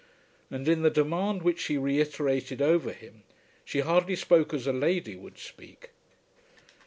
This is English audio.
And in the demand which she reiterated over him she hardly spoke as a lady would speak.